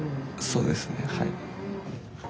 そうですねはい。